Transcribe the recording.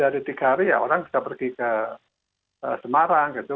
tapi kalau lebih dari tiga hari ya orang bisa pergi ke semarang gitu